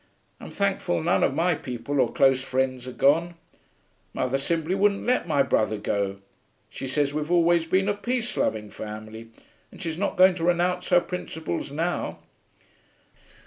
I'm thankful none of my people or close friends are gone. Mother simply wouldn't let my brother go; she says we've always been a peace loving family and she's not going to renounce her principles now.